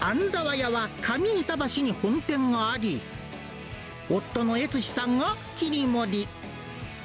家は上板橋に本店があり、夫の悦史さんが切り盛り。